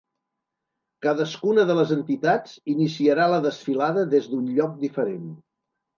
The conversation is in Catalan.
Cadascuna de les entitats iniciarà la desfilada des d’un lloc diferent.